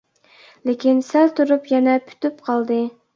لېكىن سەل تۇرۇپ يەنە پۈتۈپ قالدى.